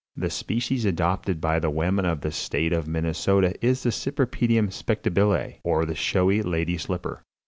The species adopted by the women of the State of Minnesota is the Cypripedium Spectabile, or the showy lady slipper.